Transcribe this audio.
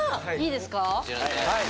はい。